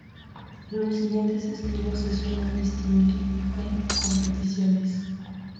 Los siguientes estilos se suelen distinguir en competiciones.